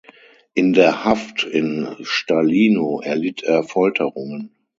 In der Haft in Stalino erlitt er Folterungen.